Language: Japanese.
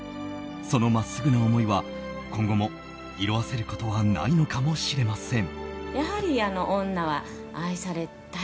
その真っすぐな思いは今後も色あせることはないのかもしれません。